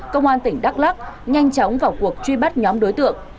công an tỉnh đắk lắc nhanh chóng vào cuộc truy bắt nhóm đối tượng